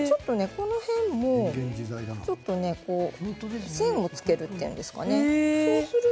この辺も線をつけるというんですかね